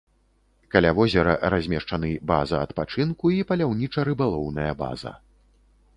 Каля возера размешчаны база адпачынку і паляўніча-рыбалоўная база.